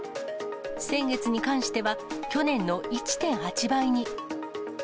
先月に関しては、去年の１．８倍に。